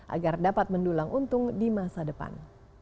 agar dapat mendulang untung di masa depan